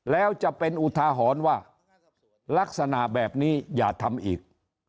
แล้วจะเป็นอุทาหรณ์ว่าลักษณะแบบนี้อย่าทำอีก